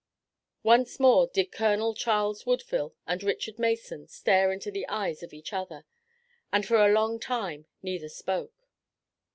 Once more did Colonel Charles Woodville and Richard Mason stare into the eyes of each other, and for a long time neither spoke.